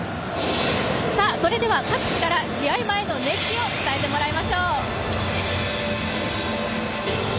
それでは各地から試合前の熱気を伝えてもらいましょう。